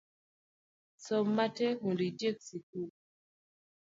Som matek mondo itiek sikul